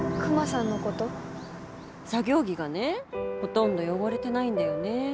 作業着がねほとんど汚れてないんだよね。